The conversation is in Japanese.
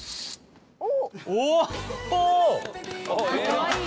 おっ！